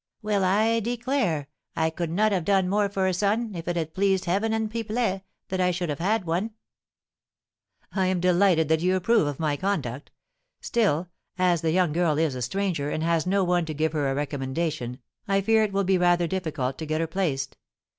"Well, I declare, I could not have done more for a son, if it had pleased Heaven and Pipelet that I should have had one!" "I am delighted that you approve of my conduct; still, as the young girl is a stranger, and has no one to give her a recommendation, I fear it will be rather difficult to get her placed.